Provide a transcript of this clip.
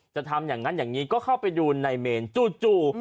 ทำอย่างนั้นอย่างนี้ก็เข้าไปดูในเมนจู่